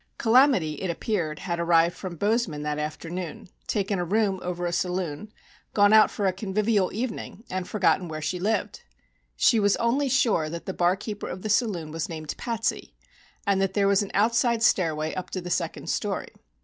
"Calamity," it appeared, had arrived from Bozeman that afternoon, taken a room over a saloon, gone out for a convivial evening and forgotten where she lived. She was only sure that the bar keeper of the saloon was named Patsy, and that there was an outside stairway up to the second story.